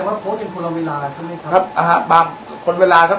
คือว่าโพสต์เป็นคนละเวลาครับนี่ครับครับบางคนเวลาครับ